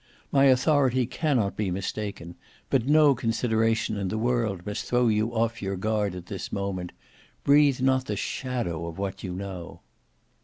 My authority cannot be mistaken: but no consideration in the world must throw you off your guard at this moment; breathe not the shadow of what you know."